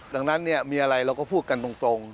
ดังนั้นมีอะไรเราก็พูดกันตรง